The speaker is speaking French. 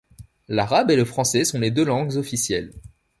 L'arabe et le français sont les deux langues officielles.